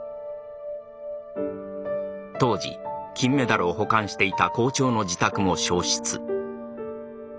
当時金メダルを保管していた校長の自宅も焼失。